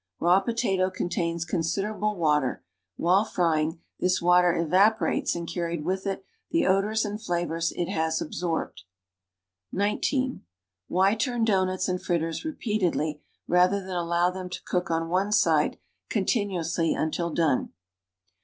Raw potato contains considerable water; while frying, this water evaporates and carried with it the odors and flavors it has absorbed. (19) Why turn doughnuts and fritters repeatedly rather than allow them to cook one one side continuously until done?